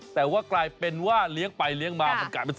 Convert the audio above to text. แต่ว่ากลายเป็นว่าเลี้ยงไปเลี้ยงมา